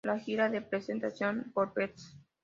La gira de presentación por Bs.